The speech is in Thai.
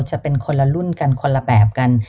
จะเป็นคนละรุ่นกันคนละแบบกัน